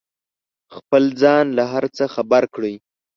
خپل ځان له هر څه خبر کړئ.